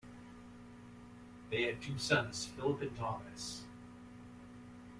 They had two sons, Philip and Thomas.